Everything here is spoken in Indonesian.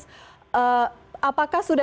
apakah sudah ada komunikasi